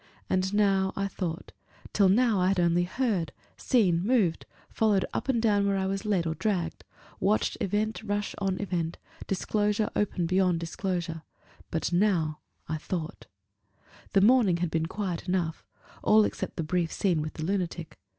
And now I thought: till now I had only heard, seen, moved followed up and down where I was led or dragged watched event rush on event, disclosure open beyond disclosure; but now I thought. The morning had been a quiet morning enough all except the brief scene with the lunatic.